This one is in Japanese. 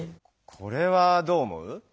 これはどう思う？